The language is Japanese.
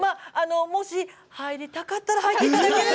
もし入りたかったら入っていただければ。